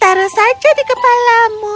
taruh saja di kepalamu